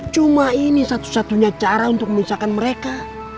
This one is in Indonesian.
cuma ini satu satunya cara untuk memisahkan mereka